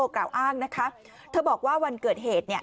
กล่าวอ้างนะคะเธอบอกว่าวันเกิดเหตุเนี่ย